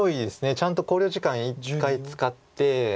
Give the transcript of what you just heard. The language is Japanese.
ちゃんと考慮時間１回使って。